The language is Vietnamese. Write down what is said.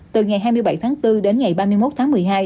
từ ngày hai mươi bảy tháng bốn đến ngày ba mươi một tháng một mươi hai